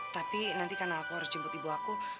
tapi nanti karena aku harus jemput ibu aku